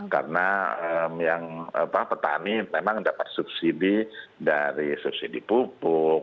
karena petani memang dapat subsidi dari subsidi pupuk